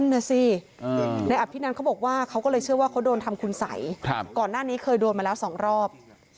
ทีนั้นเขาบอกว่าเขาก็เลยเชื่อว่าเขาโดนทำขุนใสครับก่อนหน้านี้เคยโดนมาแล้วสองรอบ